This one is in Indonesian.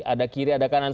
ada kiri ada kanan